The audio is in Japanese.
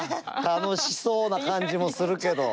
楽しそうな感じもするけど。